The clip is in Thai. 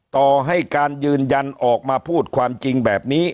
ต่อให้การยืนยันออกมาพูดความจริงแบบนี้